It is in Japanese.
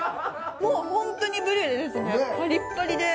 もう、本当にブリュレですねパリッパリで。